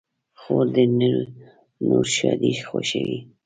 خور د نورو ښادۍ خوښوي.